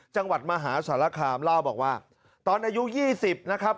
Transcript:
จังหวัดมหาสารคามเล่าบอกว่าตอนอายุ๒๐นะครับ